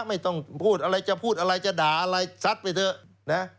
ไม่ต้องพูดอะไรจะพูดอะไรจะด่าอะไรซัดไปเถอะนะ